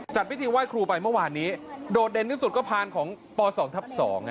จัดพิธีไหว้ครูไปเมื่อวานนี้โดดเด่นที่สุดก็พานของป๒ทับ๒